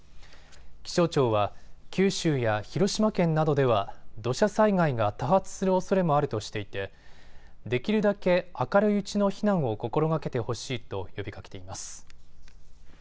気象庁は九州や広島県などでは土砂災害が多発するおそれもあるとしていてできるだけ明るいうちの避難を心がけてほしいと呼びかけています。